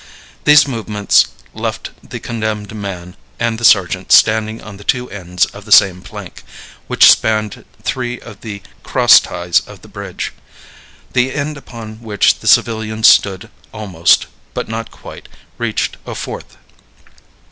These movements left the condemned man and the sergeant standing on the two ends of the same plank, which spanned three of the cross ties of the bridge. The end upon which the civilian stood almost, but not quite, reached a fourth.